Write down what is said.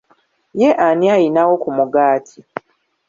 Ye ani ayinawo ku mugaati?